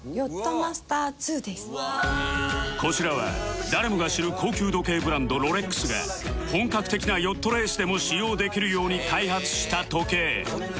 こちらは誰もが知る高級時計ブランドロレックスが本格的なヨットレースでも使用できるように開発した時計